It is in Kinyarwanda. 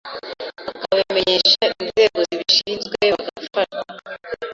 bakabimenyesha inzego zibishinzwe bagafashwa.